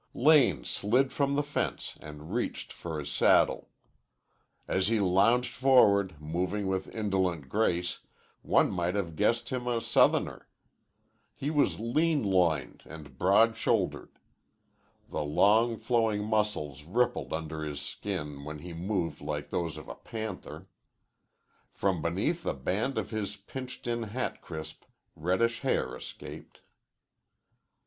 Lane slid from the fence and reached for his saddle. As he lounged forward, moving with indolent grace, one might have guessed him a Southerner. He was lean loined and broad shouldered. The long, flowing muscles rippled under his skin when he moved like those of a panther. From beneath the band of his pinched in hat crisp, reddish hair escaped.